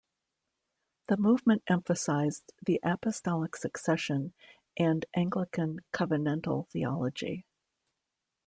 The movement emphasized the Apostolic Succession and Anglican Covenantal Theology.